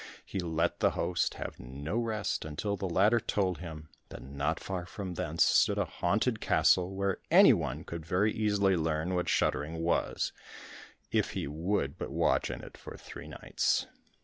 He let the host have no rest, until the latter told him, that not far from thence stood a haunted castle where any one could very easily learn what shuddering was, if he would but watch in it for three nights.